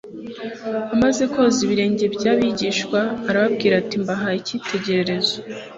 Amaze koza ibirenge by'abigishwa arababwira ati: «Mbahaye icyitegererezo